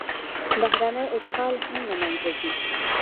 بهرنی اشغال هم له منځه ځي.